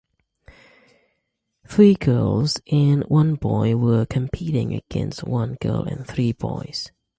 Three girls and one boy were competing against one girl and three boys.